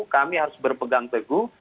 kami harus berpegang teguh